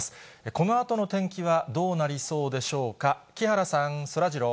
このあとの天気はどうなりそうでしょうか。